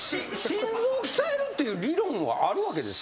心臓を鍛えるっていう理論はあるわけですか？